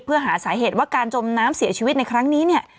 เพื่อหาสาเหตุว่าการจมน้ำเสียชีวิตในครั้งนี้เนี่ย